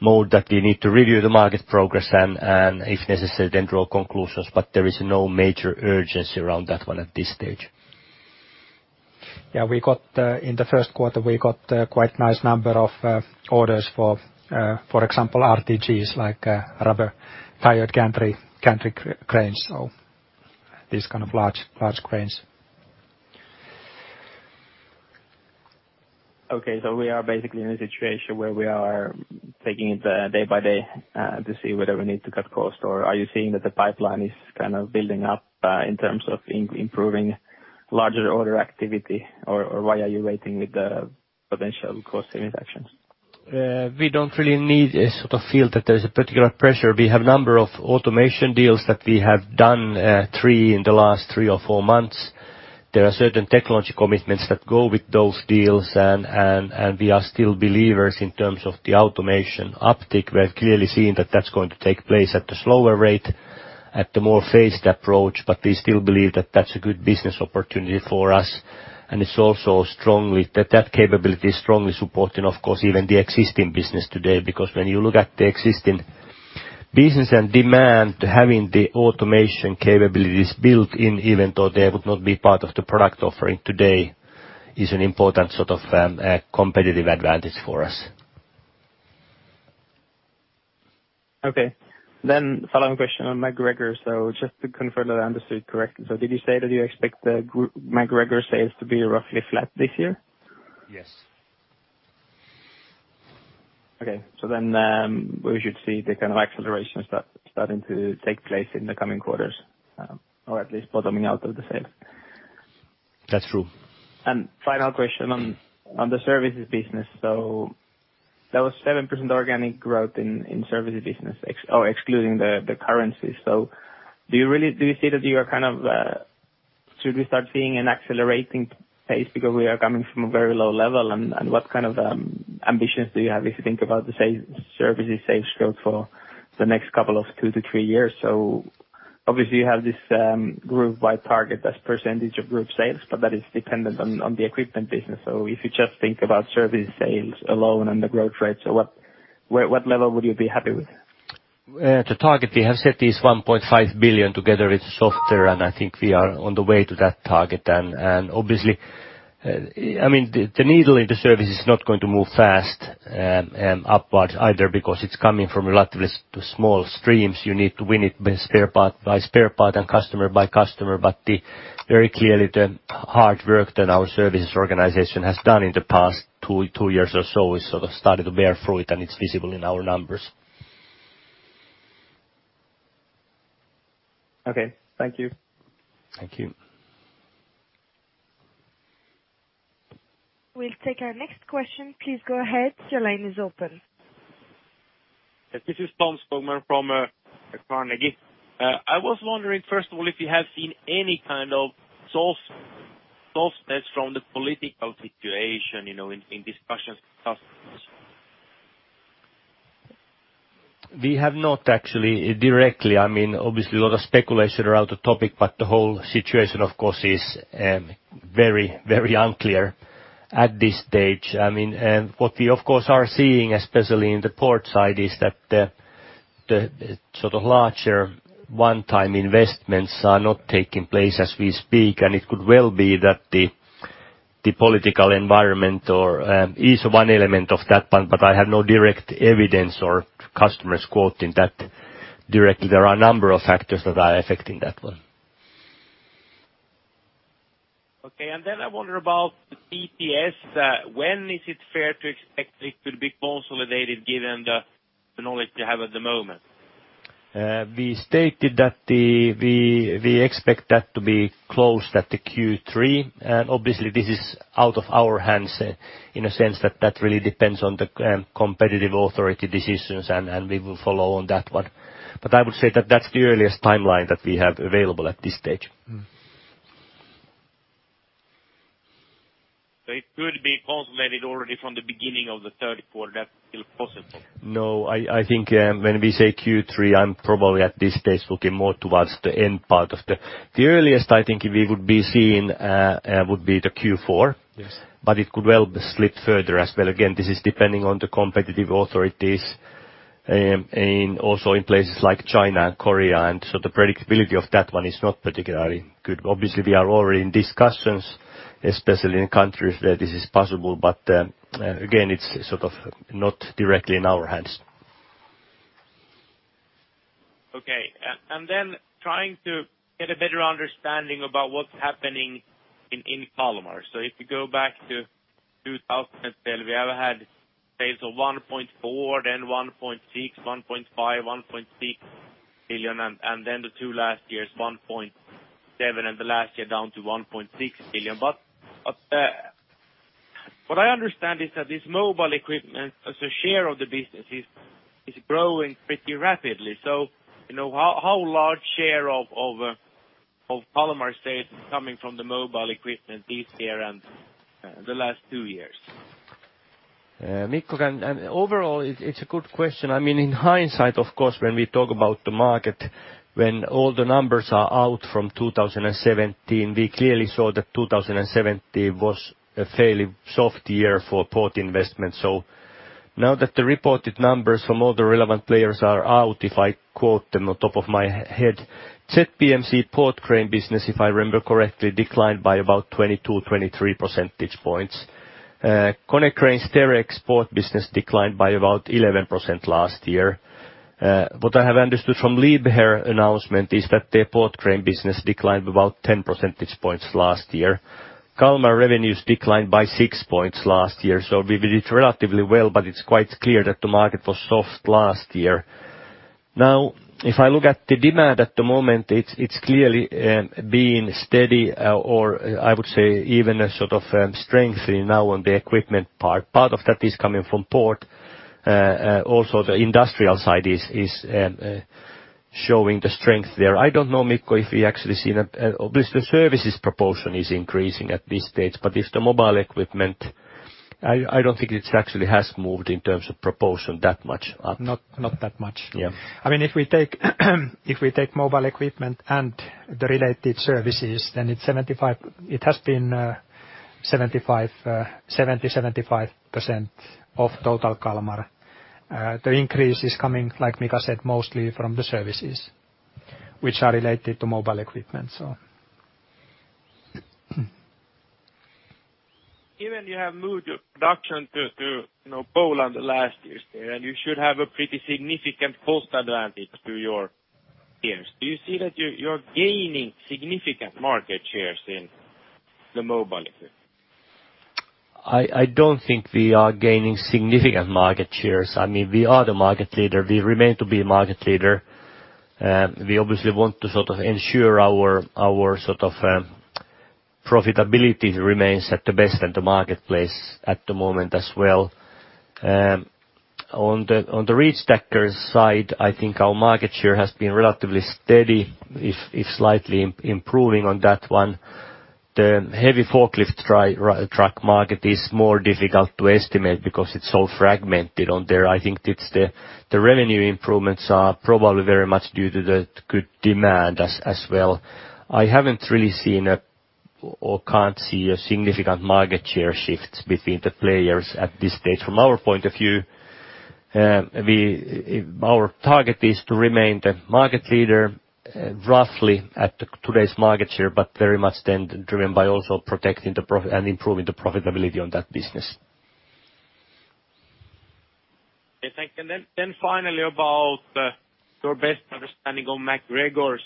B: mode that we need to review the market progress and, if necessary, then draw conclusions. There is no major urgency around that one at this stage.
C: Yeah, we got, in the Q1, we got a quite nice number of orders for example, RTGs like rubber-tired gantry cranes. These kind of large cranes.
I: We are basically in a situation where we are taking it day by day to see whether we need to cut costs, or are you seeing that the pipeline is kind of building up in terms of improving larger order activity? Or why are you waiting with the potential cost savings actions?
B: We don't really need a sort of feel that there's a particular pressure. We have number of automation deals that we have done, three in the last three or four months. There are certain technology commitments that go with those deals and we are still believers in terms of the automation uptick. We're clearly seeing that that's going to take place at a slower rate, at the more phased approach, but we still believe that that's a good business opportunity for us, and it's also strongly that capability is strongly supporting, of course, even the existing business today. Because when you look at the existing business and demand, having the automation capabilities built in, even though they would not be part of the product offering today, is an important sort of competitive advantage for us.
I: Okay. Following question on MacGregor. Just to confirm that I understood correctly. Did you say that you expect MacGregor sales to be roughly flat this year?
B: Yes.
I: We should see the kind of acceleration starting to take place in the coming quarters, or at least bottoming out of the sales.
B: That's true.
I: Final question on the services business. That was 7% organic growth in services business excluding the currency. Do you really do you see that you are kind of should we start seeing an accelerating pace because we are coming from a very low level, and what kind of ambitions do you have if you think about the services sales growth for the next couple of two to three years? Obviously you have this group wide target as percentage of group sales, but that is dependent on the equipment business. If you just think about service sales alone and the growth rates, what level would you be happy with?
B: The target we have set is 1.5 billion together with software, and I think we are on the way to that target. Obviously, I mean, the needle in the service is not going to move fast upwards either because it's coming from relatively small streams. You need to win it by spare part, by spare part and customer by customer. Very clearly the hard work that our services organization has done in the past two years or so has sort of started to bear fruit, and it's visible in our numbers.
I: Okay. Thank you.
B: Thank you.
F: We'll take our next question. Please go ahead. Your line is open.
J: Yes, this is Tom Skogman from Carnegie. I was wondering, first of all, if you have seen any kind of sauce that's from the political situation, you know, in discussions with customers.
B: We have not actually directly. I mean, obviously a lot of speculation around the topic. The whole situation of course is very, very unclear at this stage. I mean, what we of course are seeing, especially in the port side, is that the sort of larger one-time investments are not taking place as we speak. It could well be that the political environment or is one element of that one, but I have no direct evidence or customers quoting that directly. There are a number of factors that are affecting that one.
J: Okay. I wonder about TTS. When is it fair to expect it to be consolidated given the knowledge you have at the moment?
B: We stated that we expect that to be closed at the Q3, and obviously this is out of our hands in a sense that that really depends on the competitive authority decisions and we will follow on that one. I would say that that's the earliest timeline that we have available at this stage.
J: It could be consolidated already from the beginning of the third quarter, that's still possible?
B: I think, when we say Q3, I'm probably at this stage looking more towards the end part of the. The earliest I think we would be seeing, would be the Q4.
J: Yes.
B: It could well slip further as well. Again, this is depending on the competitive authorities, and also in places like China and Korea. The predictability of that one is not particularly good. Obviously, we are already in discussions, especially in countries where this is possible, but, again, it's sort of not directly in our hands.
J: Okay. Then trying to get a better understanding about what's happening in Kalmar. If you go back to 2012, we have had sales of 1.4 billion, then 1.6 billion, 1.5 billion, 1.6 billion, then the two last years, 1.7 billion, and the last year down to 1.6 billion. What I understand is that this mobile equipment as a share of the business is growing pretty rapidly. You know, how large share of Kalmar sales is coming from the mobile equipment this year and the last two years?
B: Mikko, overall it's a good question. I mean, in hindsight, of course, when we talk about the market, when all the numbers are out from 2017, we clearly saw that 2017 was a fairly soft year for port investment. Now that the reported numbers from all the relevant players are out, if I quote them on top of my head, ZPMC port crane business, if I remember correctly, declined by about 22%-23%. Konecranes Terex port business declined by about 11% last year. What I have understood from Liebherr Group's announcement is that their port crane business declined about 10% last year. Kalmar revenues declined by 6% last year. We did relatively well, but it's quite clear that the market was soft last year. Now, if I look at the demand at the moment, it's clearly being steady or I would say even a sort of strengthening now on the equipment part. Part of that is coming from port. Also the industrial side is showing the strength there. I don't know, Mikko, if we actually see that the services proportion is increasing at this stage, but if the mobile equipment, I don't think it actually has moved in terms of proportion that much up.
C: Not that much.
B: Yeah.
C: I mean, if we take mobile equipment and the related services, it has been 75% of total Kalmar. The increase is coming, like Mika said, mostly from the services which are related to mobile equipment.
J: Given you have moved your production to, you know, Poland last year, you should have a pretty significant cost advantage to your peers. Do you see that you're gaining significant market shares in the mobile equipment?
B: I don't think we are gaining significant market shares. I mean, we are the market leader. We remain to be a market leader. We obviously want to sort of ensure our sort of profitability remains at the best in the marketplace at the moment as well. On the reach stacker side, I think our market share has been relatively steady if slightly improving on that one. The heavy forklift truck market is more difficult to estimate because it's so fragmented on there. I think it's the revenue improvements are probably very much due to the good demand as well. I haven't really seen a, or can't see a significant market share shift between the players at this stage. From our point of view, we, our target is to remain the market leader roughly at today's market share, but very much then driven by also protecting and improving the profitability on that business.
J: Yes, thank you. Finally about your best understanding on MacGregor's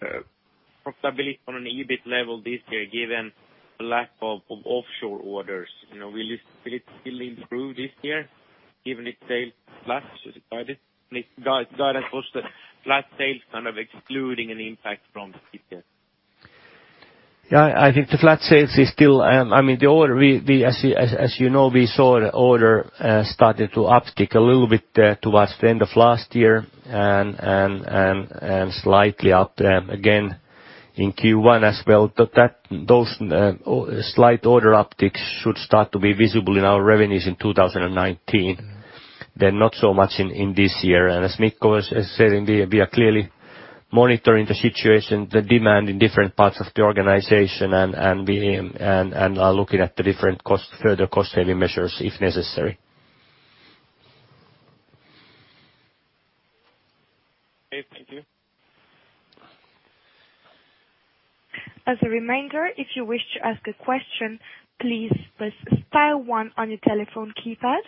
J: profitability on an EBIT level this year, given the lack of offshore orders? You know, will it still improve this year given its sales flat guided? The guidance was the flat sales kind of excluding any impact from the.
B: Yeah, I think the flat sales is still, I mean, the order we, as you know, we saw the order started to uptick a little bit there towards the end of last year and slightly up again in Q1 as well. That, those, or slight order upticks should start to be visible in our revenues in 2019. They're not so much in this year. As Mikko was saying, we are clearly monitoring the situation, the demand in different parts of the organization and are looking at the different cost, further cost-saving measures if necessary.
J: Okay, thank you.
F: As a reminder, if you wish to ask a question, please press star one on your telephone keypad.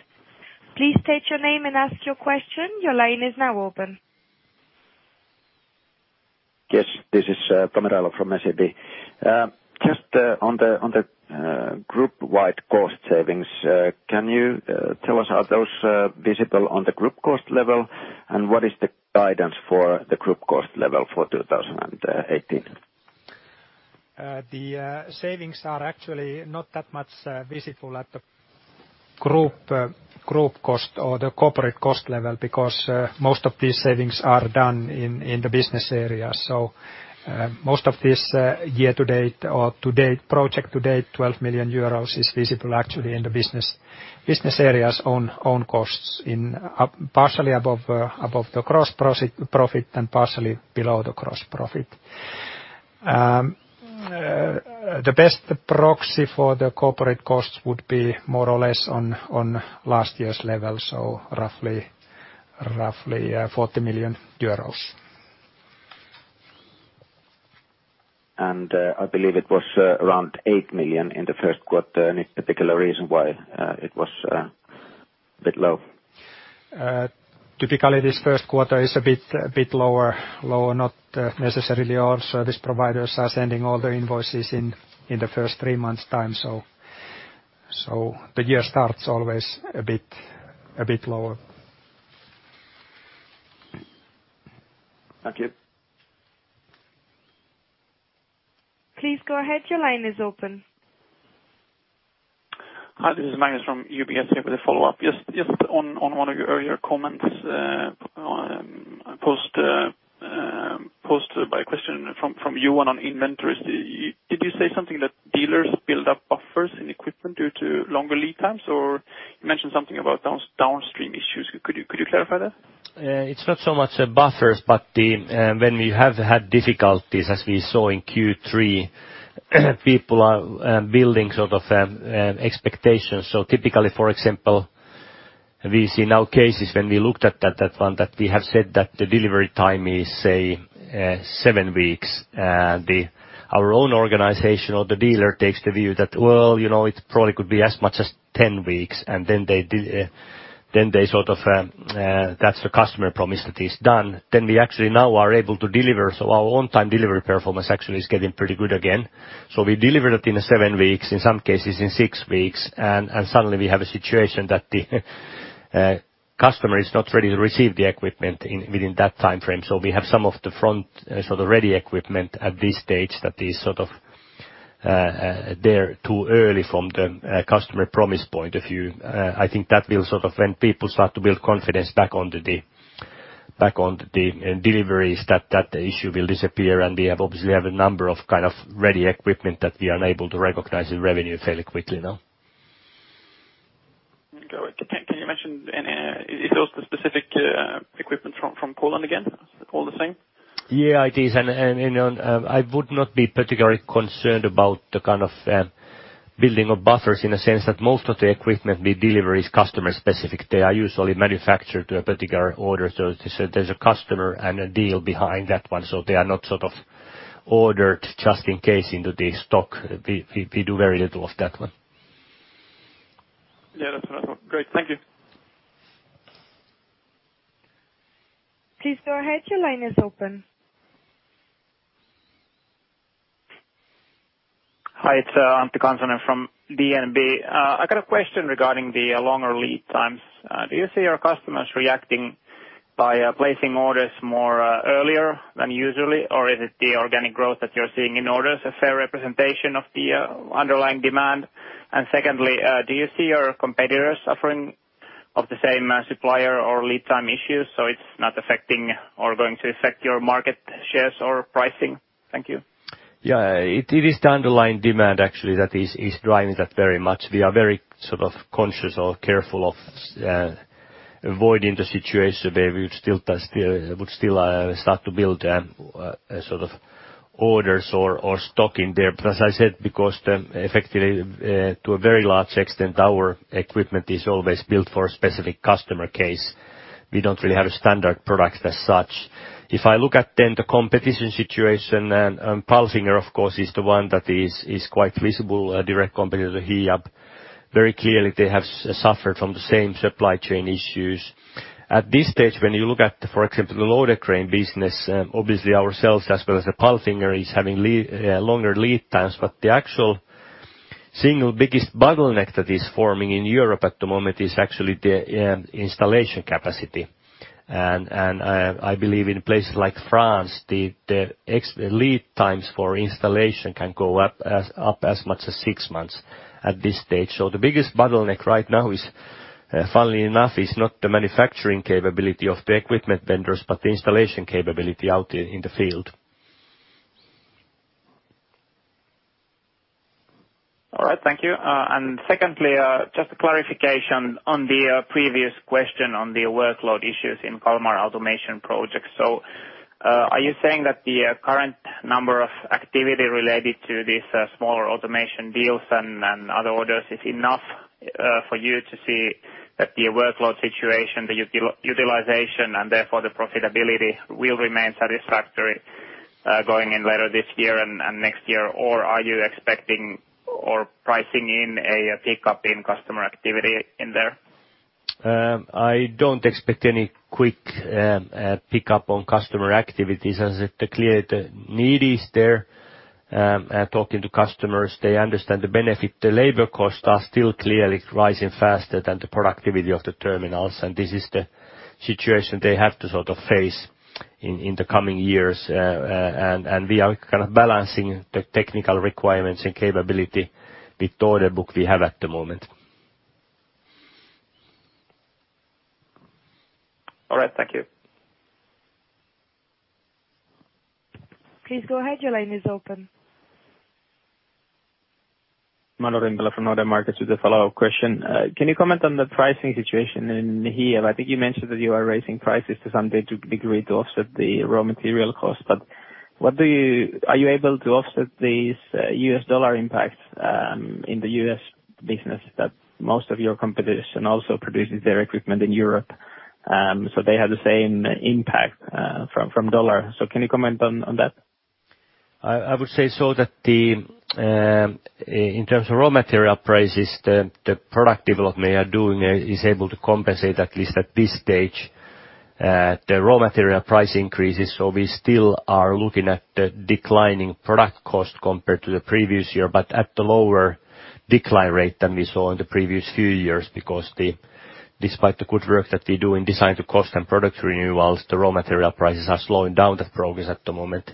F: Please state your name and ask your question. Your line is now open.
K: Yes, this is Tomi Railo from SEB. Just on the group-wide cost savings, can you tell us are those visible on the group cost level? What is the guidance for the group cost level for 2018?
C: The savings are actually not that much visible at the group cost or the corporate cost level because most of these savings are done in the business area. Most of this year to date or to date, project to date, 12 million euros is visible actually in the business area's own costs partially above the gross profit and partially below the gross profit. The best proxy for the corporate costs would be more or less on last year's level, roughly EUR 40 million.
K: I believe it was, around 8 million in the Q1. Any particular reason why, it was, a bit low?
C: Typically this Q1 is a bit lower. Not necessarily all service providers are sending all their invoices in the first three months' time. The year starts always a bit lower.
K: Thank you.
F: Please go ahead. Your line is open.
G: Hi, this is Magnus from UBS here with a follow-up. Just on one of your earlier comments, posted by a question from you on inventories. Did you say something that dealers build up buffers in equipment due to longer lead times? You mentioned something about downstream issues. Could you clarify that?
B: It's not so much buffers, but the, when we have had difficulties, as we saw in Q3, people are building sort of expectations. Typically, for example, we've seen now cases when we looked at that one, that we have said that the delivery time is, say, seven weeks. The, our own organization or the dealer takes the view that, well, you know, it probably could be as much as 10 weeks, and then they sort of, that's the customer promise that is done. We actually now are able to deliver. Our on-time delivery performance actually is getting pretty good again. We deliver it in seven weeks, in some cases in six weeks, and suddenly we have a situation that the customer is not ready to receive the equipment in, within that timeframe. We have some of the front, sort of ready equipment at this stage that is sort of there too early from the customer promise point of view. I think that will sort of when people start to build confidence back onto the, back on to the deliveries that issue will disappear. We have obviously have a number of kind of ready equipment that we are unable to recognize the revenue fairly quickly now.
E: Go ahead. Can you mention any, is those the specific, equipment from Poland again, all the same?
B: Yeah, it is. I would not be particularly concerned about the kind of, building of buffers in a sense that most of the equipment we deliver is customer specific. They are usually manufactured to a particular order. There's a customer and a deal behind that one. They are not sort of ordered just in case into the stock. We do very little of that one.
E: Yeah, that's all. Great. Thank you.
F: Please go ahead, your line is open.
L: Hi, it's Antti Kansanen from DNB. I got a question regarding the longer lead times. Do you see your customers reacting by placing orders more earlier than usually? Is it the organic growth that you're seeing in orders a fair representation of the underlying demand? Secondly, do you see your competitors suffering of the same supplier or lead time issues so it's not affecting or going to affect your market shares or pricing? Thank you.
B: It is the underlying demand actually that is driving that very much. We are very sort of conscious or careful of avoiding the situation where we would still start to build sort of orders or stock in there. As I said, because the effectively, to a very large extent, our equipment is always built for a specific customer case. We don't really have a standard product as such. If I look at then the competition situation, Palfinger AG of course is the one that is quite visible, a direct competitor to Hiab. Very clearly, they have suffered from the same supply chain issues. At this stage, when you look at, for example, the loader crane business, obviously ourselves as well as the Palfinger AG is having longer lead times. The actual single biggest bottleneck that is forming in Europe at the moment is actually the installation capacity. I believe in places like France, the lead times for installation can go up as much as six months at this stage. The biggest bottleneck right now is funnily enough, is not the manufacturing capability of the equipment vendors, but the installation capability out in the field.
L: All right. Thank you. Secondly, just a clarification on the previous question on the workload issues in Kalmar automation projects. Are you saying that the current number of activity related to these smaller automation deals and other orders is enough for you to see that the workload situation, the utilization and therefore the profitability will remain satisfactory going in later this year and next year? Or are you expecting or pricing in a pickup in customer activity in there?
B: I don't expect any quick pickup on customer activities as the clear the need is there. Talking to customers, they understand the benefit. The labor costs are still clearly rising faster than the productivity of the terminals, and this is the situation they have to sort of face in the coming years. We are kind of balancing the technical requirements and capability with the order book we have at the moment.
L: All right. Thank you.
F: Please go ahead. Your line is open.
I: Manu Forsskåhl from Nordea Markets with a follow-up question. Can you comment on the pricing situation in Hiab? I think you mentioned that you are raising prices to some degree to offset the raw material costs. Are you able to offset these U.S. dollar impacts in the U.S. business that most of your competition also produces their equipment in Europe, so they have the same impact from dollar? Can you comment on that?
B: I would say so that in terms of raw material prices, the product development we are doing is able to compensate, at least at this stage, the raw material price increases. We still are looking at the declining product cost compared to the previous year. At the lower decline rate than we saw in the previous few years because despite the good work that we do in design to cost and product renewals, the raw material prices are slowing down that progress at the moment.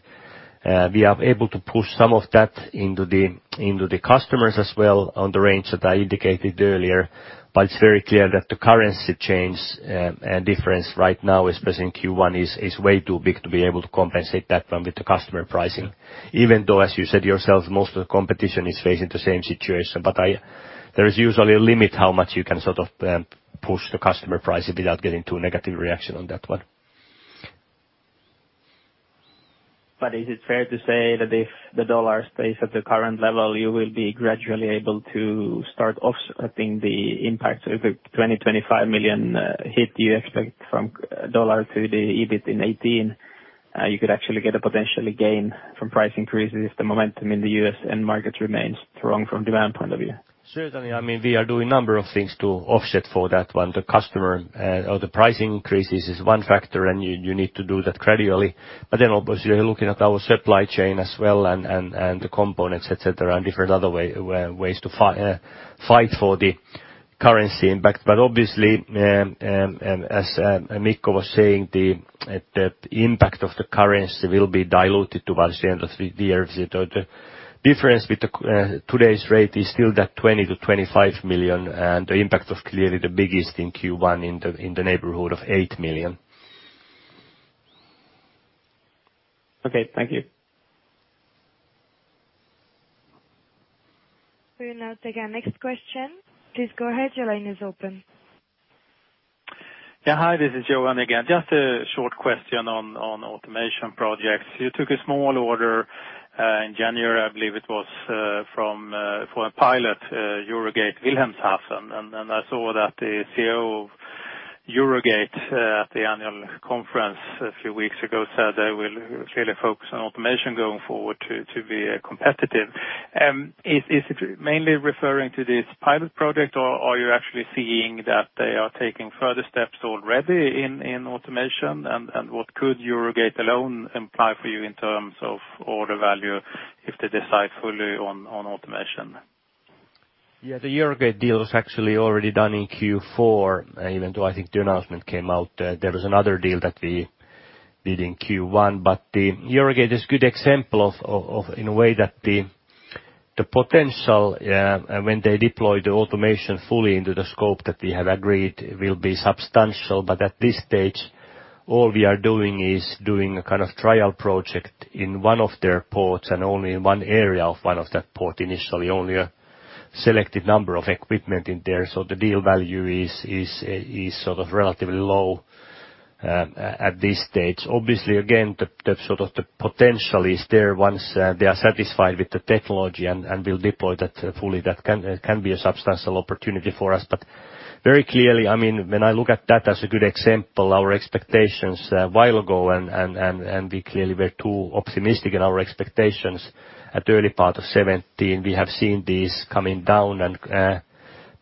B: We are able to push some of that into the customers as well on the range that I indicated earlier. It's very clear that the currency change and difference right now, especially in Q1, is way too big to be able to compensate that one with the customer pricing. As you said yourself, most of the competition is facing the same situation. There is usually a limit how much you can sort of, push the customer pricing without getting to a negative reaction on that one.
I: Is it fair to say that if the dollar stays at the current level, you will be gradually able to start offsetting the impact of the 20 million-25 million hit you expect from dollar to the EBIT in 2018? You could actually get a potentially gain from price increases if the momentum in the U.S. end market remains strong from demand point of view.
B: Certainly. I mean, we are doing a number of things to offset for that one. The customer, or the pricing increases is one factor, and you need to do that gradually. Obviously you're looking at our supply chain as well and the components, et cetera, and different other ways to fight for the currency impact. Obviously, and as Mikko was saying, the impact of the currency will be diluted towards the end of the year. The difference with today's rate is still that 20 million to 25 million, and the impact of clearly the biggest in Q1 in the neighborhood of 8 million.
E: Okay, thank you.
A: We will now take our next question. Please go ahead, your line is open.
H: Hi, this is Johan again. Just a short question on automation projects. You took a small order in January, I believe it was, from for a pilot EUROGATE Wilhelmshaven. I saw that the CEO of EUROGATE at the annual conference a few weeks ago said they will clearly focus on automation going forward to be competitive. Is it mainly referring to this pilot project, or you're actually seeing that they are taking further steps already in automation? What could EUROGATE alone imply for you in terms of order value if they decide fully on automation?
B: The EUROGATE deal was actually already done in Q4. Even though I think the announcement came out, there was another deal that we did in Q1. The EUROGATE is good example of, in a way that the potential, when they deploy the automation fully into the scope that we have agreed will be substantial. At this stage, all we are doing is doing a kind of trial project in one of their ports and only in one area of one of that port. Initially, only a selected number of equipment in there. The deal value is sort of relatively low at this stage. Obviously, again, the sort of the potential is there once they are satisfied with the technology and will deploy that fully, that can be a substantial opportunity for us. Very clearly, I mean, when I look at that as a good example, our expectations a while ago, and we clearly were too optimistic in our expectations at early part of 2017. We have seen this coming down and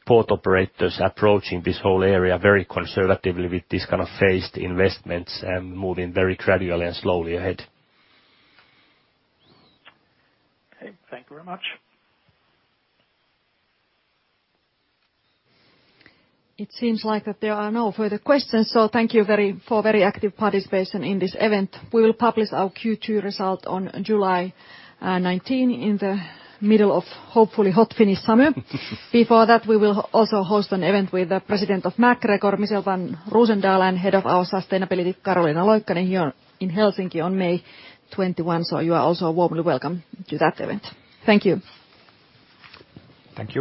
B: port operators approaching this whole area very conservatively with this kind of phased investments and moving very gradually and slowly ahead.
H: Okay. Thank you very much.
A: It seems like that there are no further questions. Thank you for very active participation in this event. We will publish our Q2 result on July 19 in the middle of hopefully hot Finnish summer. Before that, we will also host an event with the President of MacGregor, Michel van Roozendaal, and Head of our Sustainability, Carina Geber-Teir, here in Helsinki on May 21. You are also warmly welcome to that event. Thank you.
B: Thank you.